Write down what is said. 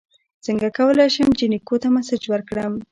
څنګه کولی شم جینکو ته میسج ورکړم